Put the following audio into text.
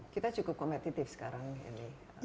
kita cukup kompetitif sekarang ini